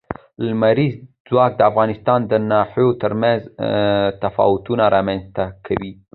لمریز ځواک د افغانستان د ناحیو ترمنځ تفاوتونه رامنځ ته کوي.